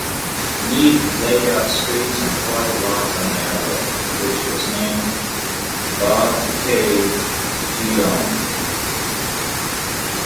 Need laid out streets and plotted lots on the island, which was named Bobcaygeon.